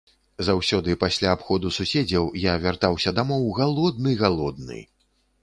Заўсёды пасля абходу суседзяў я вяртаўся дамоў галодны, галодны.